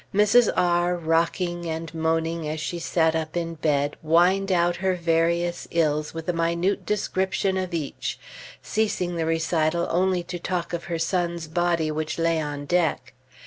Mrs. R , rocking and moaning as she sat up in bed, whined out her various ills with a minute description of each, ceasing the recital only to talk of her son's body which lay on deck.